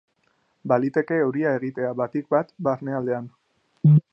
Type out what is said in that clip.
Baliteke euria egitea, batik bat barnealdean.